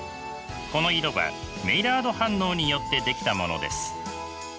この色はメイラード反応によって出来たものです。